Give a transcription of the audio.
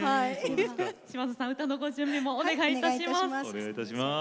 島津さん歌のご準備もお願いいたします。